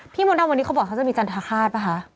พี่มณฑ์วันนี้เขาบอกว่าจะมีจันทราฆาตป่ะคะ